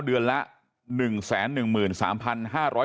เดือนละ๑๑๓๕๐๐บาท